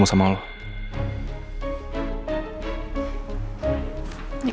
bisa berjalan dengan baik